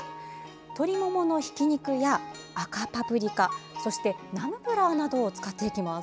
鶏もものひき肉や赤パプリカそしてナムプラーなどを使います。